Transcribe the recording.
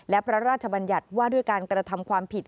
และพระราชบัญญัติว่าด้วยการกระทำความผิด